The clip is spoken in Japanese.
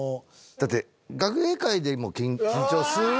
だって学芸会でも緊張するのにね。